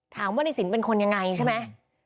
ถามว่าในสินเป็นคนยังไงใช่ไหม